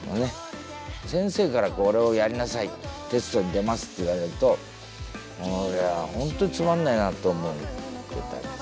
先生から「これをやりなさいテストに出ます」って言われるとこれは本当につまらないなと思ってたんです。